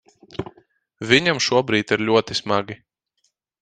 Viņam šobrīd ir ļoti smagi.